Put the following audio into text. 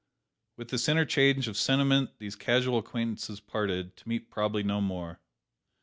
With this interchange of sentiment these casual acquaintances parted, to meet probably no more!